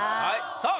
さあ